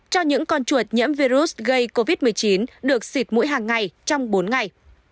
cho những con chuột nhiễm virus gây covid một mươi chín được xịt mũi hàng ngày trong bốn ngày